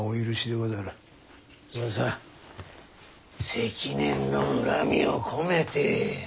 積年の恨みを込めて。